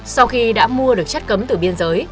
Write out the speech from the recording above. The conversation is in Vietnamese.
sau khi đã mua được chất cấm từ biên giới